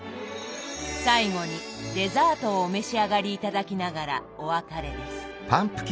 最後にデザートをお召し上がり頂きながらお別れです。